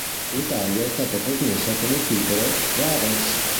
In Italia è stata trasmessa con il titolo "Brothers".